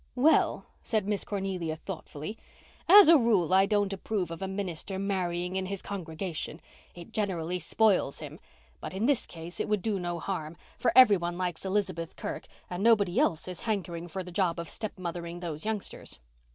"Well," said Miss Cornelia thoughtfully, "as a rule, I don't approve of a minister marrying in his congregation. It generally spoils him. But in this case it would do no harm, for every one likes Elizabeth Kirk and nobody else is hankering for the job of stepmothering those youngsters.